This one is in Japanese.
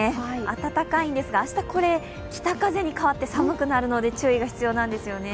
暖かいんですが、明日これ北風に変わって寒くなるので注意が必要ですね。